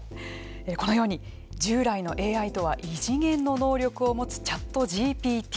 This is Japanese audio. このように従来のＡＩとは異次元の能力を持つＣｈａｔＧＰＴ。